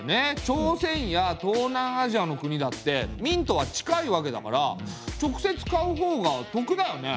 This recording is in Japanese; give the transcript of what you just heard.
朝鮮や東南アジアの国だって明とは近いわけだから直接買うほうが得だよね！